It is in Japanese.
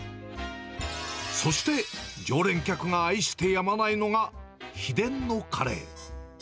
そして、常連客が愛してやまないのが、秘伝のカレー。